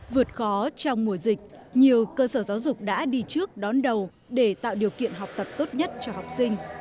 vượt khó trong mùa dịch nhiều cơ sở giáo dục đã đi trước đón đầu để tạo điều kiện học tập tốt nhất cho học sinh